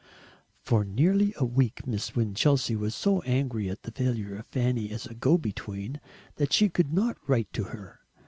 For nearly a week Miss Winchelsea was so angry at the failure of Fanny as a go between that she could not write to her.